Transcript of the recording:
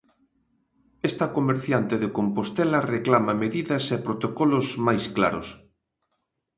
Esta comerciante de Compostela reclama medidas e protocolos máis claros.